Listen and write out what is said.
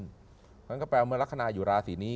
เพราะฉะนั้นก็แปลว่าเมื่อลักษณะในราศีนี้